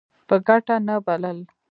په ګټه نه بلل.